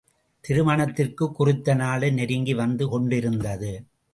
திருமணத்திற்குக் குறித்த நாளும் நெருங்கி வந்து கொண்டிருந்தது.